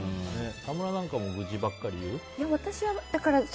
川村なんかも愚痴ばっかり言う？